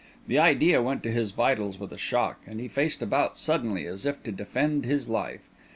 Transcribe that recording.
The idea went to his vitals with a shock, and he faced about suddenly as if to defend his life.